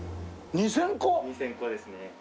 ２０００個ですね。